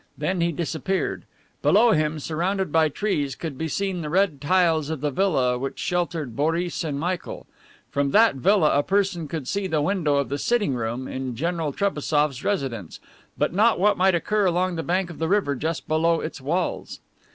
Then he disappeared. Below him, surrounded by trees, could be seen the red tiles of the villa which sheltered Boris and Michael. From that villa a person could see the window of the sitting room in General Trebassof's residence, but not what might occur along the bank of the river just below its walls.